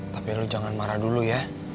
tapi lu jangan marah dulu ya